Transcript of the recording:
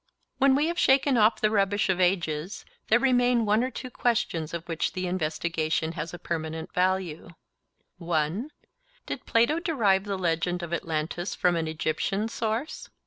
When we have shaken off the rubbish of ages, there remain one or two questions of which the investigation has a permanent value:— 1. Did Plato derive the legend of Atlantis from an Egyptian source?